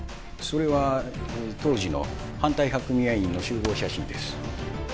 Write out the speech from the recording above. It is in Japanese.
それは当時の反対派組合員の集合写真です